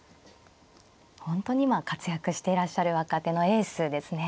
本当に今活躍していらっしゃる若手のエースですね。